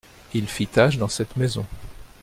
Il fit tache dans cette maison.